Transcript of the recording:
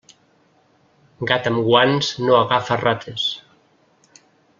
Gat amb guants no agafa rates.